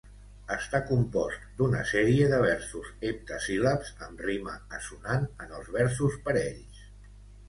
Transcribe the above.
Està compost d'una sèrie de versos heptasíl·labs amb rima assonant en els versos parells.